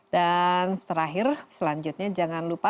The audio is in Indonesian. dan terakhir selanjutnya jangan lupa